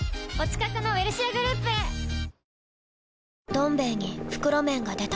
「どん兵衛」に袋麺が出た